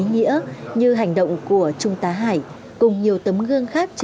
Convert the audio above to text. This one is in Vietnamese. và những việc làm nhỏ nhưng mang đầy ý nghĩa như hành động của trung tá hải cùng nhiều tấm gương khác trên đời